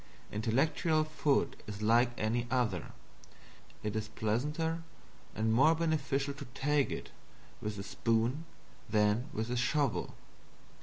Intellectual food is like any other; it is pleasanter and more beneficial to take it with a spoon than with a shovel.